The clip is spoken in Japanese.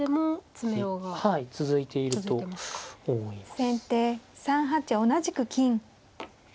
先手３八同じく金。